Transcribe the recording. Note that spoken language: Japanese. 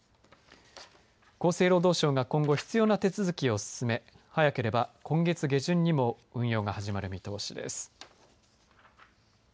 厚生労働省が今後必要な手続きを進め早ければ今月下旬にも運用が始まる見通しです。